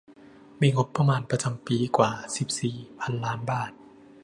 มีงบประมาณประจำปีกว่า สิบสี่ พันล้านบาท